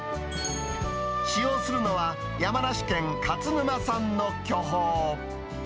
使用するのは、山梨県勝沼産の巨峰。